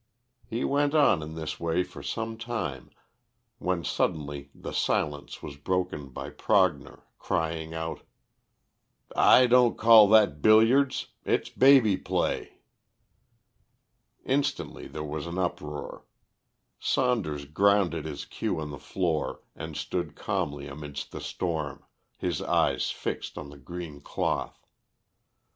He went on in this way for some time, when suddenly the silence was broken by Prognor crying out "I don't call that billiards. It's baby play." Instantly there was an uproar. Saunders grounded his cue on the floor and stood calmly amidst the storm, his eyes fixed on the green cloth.